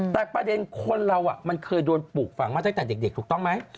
แต่ประเด็นคนเรามันเคยโดนปลูกฝังมาตั้งแต่เด็กถูกต้องไหม